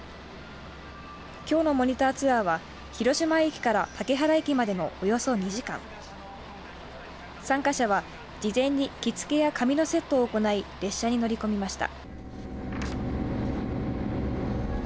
きょうのモニターツアーは広島駅から竹原駅までのおよそ２時間参加者は事前に着付けや髪のセットを行い列車に乗り込みました。